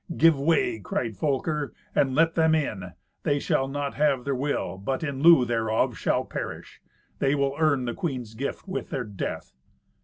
"Give way," cried Folker, "and let them in. They shall not have their will, but, in lieu thereof, shall perish. They will earn the queen's gift with their death."